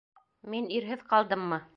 Мин... ирһеҙ ҡалдыммы?